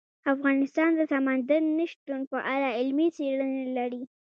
افغانستان د سمندر نه شتون په اړه علمي څېړنې لري.